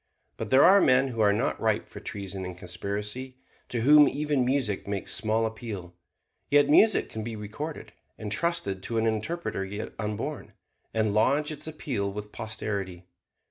But there are men who are not ripe for treason and conspiracy, to whom even music makes small appeal. Yet music can be recorded, entrusted to an interpreter yet unborn, and lodge its appeal with posterity.